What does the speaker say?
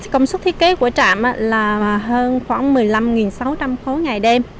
công suất thiết kế của trạm là hơn khoảng một mươi năm sáu trăm linh khối ngày đêm